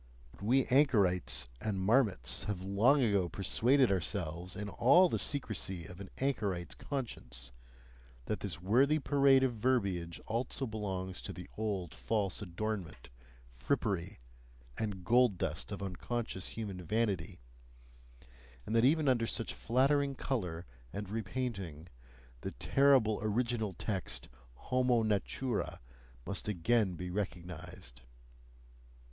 But we anchorites and marmots have long ago persuaded ourselves in all the secrecy of an anchorite's conscience, that this worthy parade of verbiage also belongs to the old false adornment, frippery, and gold dust of unconscious human vanity, and that even under such flattering colour and repainting, the terrible original text HOMO NATURA must again be recognized.